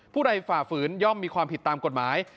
ผู้ใดฝ่าฝืนย่อมมีความผิดตามกฎหมาย